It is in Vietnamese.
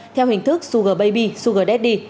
theo hình thức sugar baby sugar daddy